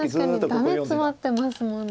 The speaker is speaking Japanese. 確かにダメツマってますもんね。